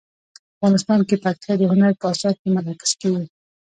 افغانستان کې پکتیا د هنر په اثار کې منعکس کېږي.